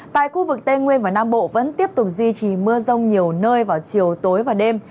tại khu vực tây nguyên và nam bộ vẫn tiếp tục duy trì mưa rông nhiều nơi vào chiều tối và đêm